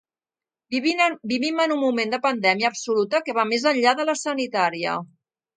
Vivim en un moment de pandèmia absoluta que va més enllà de la sanitària.